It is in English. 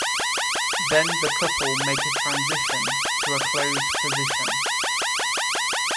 Then the couple makes a transition to a closed position.